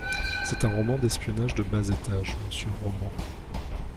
C’est un roman d’espionnage de bas étage, monsieur Roman.